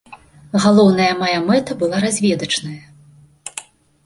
Галоўная мая мэта была разведачная.